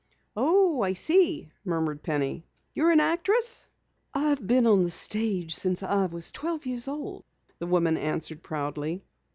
"Oh, I see," murmured Penny. "You are an actress?" "I've been on the stage since I was twelve years old," the woman answered proudly.